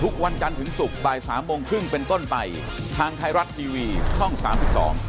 ขอบคุณครับสวัสดีครับ